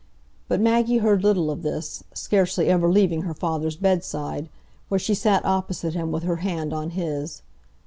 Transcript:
But Maggie heard little of this, scarcely ever leaving her father's bedside, where she sat opposite him with her hand on his.